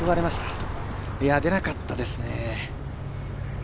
大岩、出なかったですね。